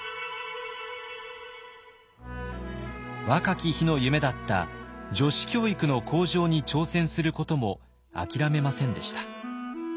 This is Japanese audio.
若き日の夢だった女子教育の向上に挑戦することも諦めませんでした。